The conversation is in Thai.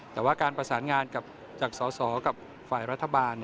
แต่ว่าการประสานงานจากสสกับฝ่ายรัฐบาล